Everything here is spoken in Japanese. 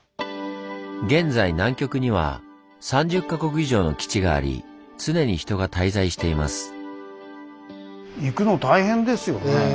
現在南極には３０か国以上の基地があり常に人が滞在しています。